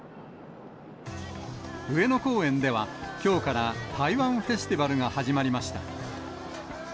上野公園では、きょうから台湾フェスティバルが始まりました。